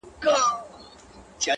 • زما په سترگو كي را رسم كړي.